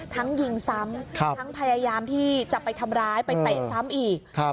ทั้งยิงซ้ำทั้งพยายามที่จะไปทำร้ายไปเตะซ้ำอีก